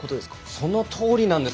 そのとおりなんです。